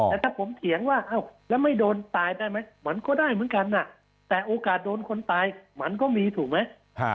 แต่ถ้าผมเถียงว่าอ้าวแล้วไม่โดนตายได้ไหมมันก็ได้เหมือนกันแต่โอกาสโดนคนตายมันก็มีถูกไหม